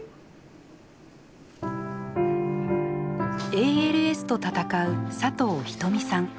ＡＬＳと闘う佐藤仁美さん。